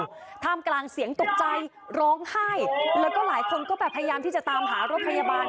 ท่ามกลางเสียงตกใจร้องไห้แล้วก็หลายคนก็แบบพยายามที่จะตามหารถพยาบาล